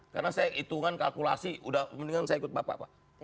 karena saya hitungan kalkulasi udah mendingan saya ikut bapak pak